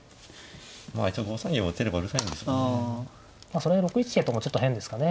それで６一桂っていうのもちょっと変ですかね。